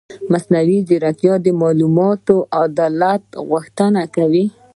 مصنوعي ځیرکتیا د معلوماتي عدالت غوښتنه کوي.